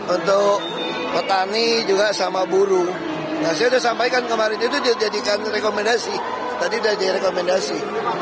untuk petani juga sama burung saya sudah sampaikan kemarin itu dijadikan rekomendasi tadi sudah jadi rekomendasi